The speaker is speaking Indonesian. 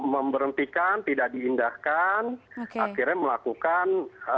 memberhentikan tidak diindahkan akhirnya melakukan